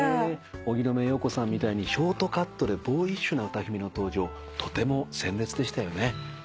荻野目洋子さんみたいにショートカットでボーイッシュな歌姫の登場とても鮮烈でしたよね。